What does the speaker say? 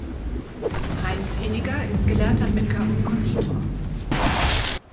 Heinz Inniger ist gelernter Bäcker und Konditor.